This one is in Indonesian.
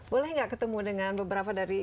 boleh nggak ketemu dengan beberapa dari